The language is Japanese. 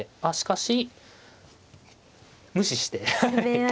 あしかし無視して。